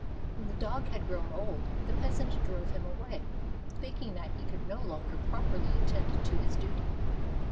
When the dog had grown old, the peasant drove him away, thinking that he could no longer properly attend to his duty.